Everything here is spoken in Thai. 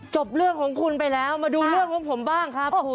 จบเรื่องของคุณไปแล้วมาดูเรื่องของผมบ้างครับ